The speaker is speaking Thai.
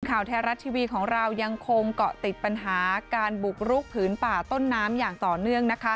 ข่าวไทยรัฐทีวีของเรายังคงเกาะติดปัญหาการบุกรุกผืนป่าต้นน้ำอย่างต่อเนื่อง